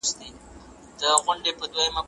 زه هر وخت هڅه کوم چي ريښتيا ووايم.